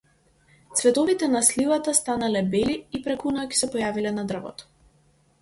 Цветовите на сливата станале бели и преку ноќ се појавиле на дрвото.